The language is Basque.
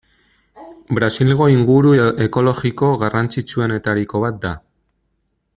Brasilgo inguru ekologiko garrantzitsuenetariko bat da.